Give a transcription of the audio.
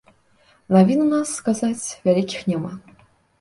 Навін у нас, сказаць, вялікіх няма.